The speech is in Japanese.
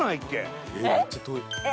えっ！